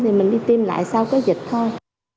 thì mình đi tiêm lại sau cái dịch thôi